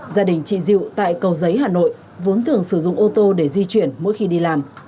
gia đình chị diệu tại cầu giấy hà nội vốn thường sử dụng ô tô để di chuyển mỗi khi đi làm